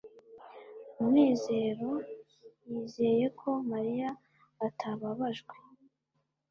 munezero yizeye ko mariya atababajwe